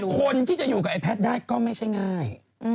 คนที่จะอยู่กับไอแพทย์ได้ก็ไม่ใช่ง่าย